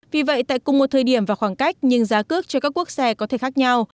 vì vậy tại cùng một thời điểm và khoảng cách nhưng giá cước cho các quốc xe có thể khác nhau